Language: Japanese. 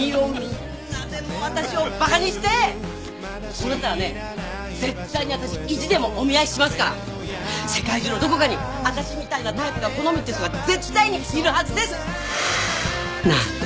こうなったらね絶対に私意地でもお見合いしますから世界中のどこかに私みたいなタイプが好みって人が絶対にいるはずです！なんて